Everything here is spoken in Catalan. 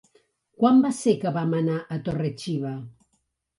Quan va ser que vam anar a Torre-xiva?